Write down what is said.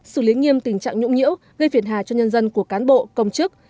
xử lý nghiêm tình trạng nhũng nhiễu gây phiền hà cho nhân dân của cán bộ công chức